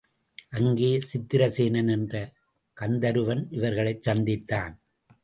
அங்கே சித்திரசேனன் என்ற கந்தருவன் இவர்களைச் சந்தித்தான்.